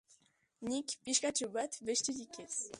Nik pixkatxo bat besterik ez.